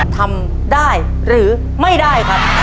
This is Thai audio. ทำได้หรือไม่ได้ครับ